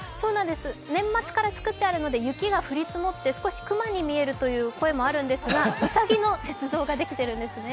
年末から作ってあるので雪が降り積もって少し熊に見えるという声もあるんですがうさぎの雪像ができているんですね。